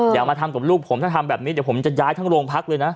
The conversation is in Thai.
อย่ามาทำกับลูกผมถ้าทำแบบนี้เดี๋ยวผมจะย้ายทั้งโรงพักเลยนะ